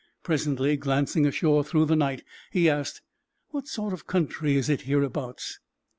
Presently, glancing ashore through the night, he asked: "What sort of country is it hereabouts?"